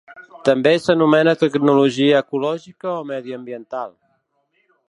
També s'anomena tecnologia ecològica o mediambiental.